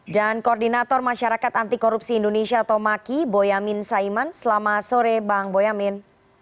dan koordinator masyarakat antikorupsi indonesia tomaki boyamin saiman selamat sore bang boyamin